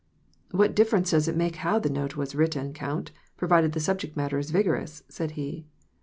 " What difference does it make how the note was written, count, provided the subject matter is vigorous ?" said he.